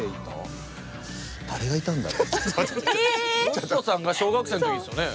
嘉人さんが小学生の時ですよね。